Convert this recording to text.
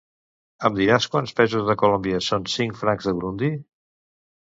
Em diràs quants pesos de Colòmbia són cinc francs de Burundi?